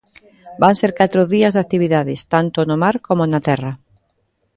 Van ser catro días de actividades, tanto no mar como na terra.